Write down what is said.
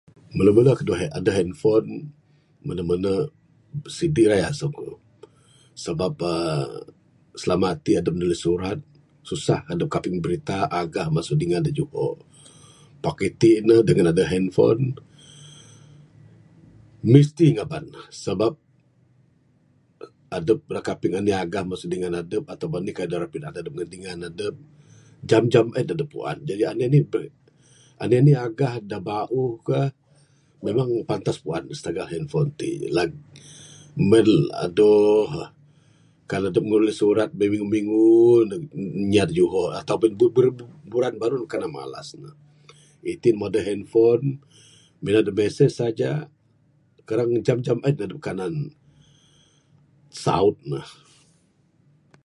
Mele mele ku adeh handphone...mene mene sidi raye aseng ku sabab uhh silama ti adep nulis surat susah adep kaping berita agah masu dingan da juho...pak itin ne dangan adeh handphone...mesti ngaban ne sabab adep ira kaping anih agah masu dingan adep ataupun anih ka da ira pidaan neg dingan adep jam jam en adep puan jaji anih anih per...anih anih agah da bauh ka memang pantas puan sitagal handphone ti lag...mel adohh ah kan adep nulis surat biminggu minggu neg inya da juho ataupun biburan buran baru ne kanan malas ne...itin mbuh adeh handphone mina adep mesej saja karang jam jam en adep kanan saut ne.